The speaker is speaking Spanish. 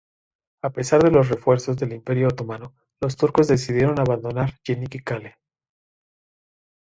A pesar de los refuerzos del Imperio Otomano, los turcos decidieron abandonar Yeni-Kale.